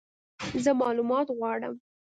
زه مالومات غواړم !